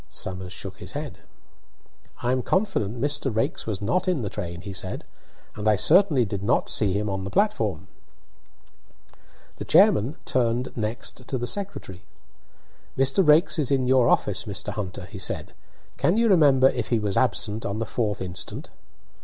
Somers shook his head. "I am confident Mr. Raikes was not in the train," he said, "and I certainly did not see him on the platform." The chairman turned next to the secretary. "Mr. Raikes is in your office, Mr. Hunter," he said. "Can you remember if he was absent on the 4th instant?"